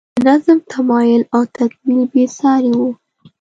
د نظام تمایل او تکمیل بې سارۍ و.